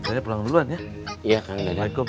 saya pulang duluan ya